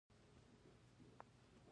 د برېټانیا بنسټونه زرګونه کاله مخکې جلا شوي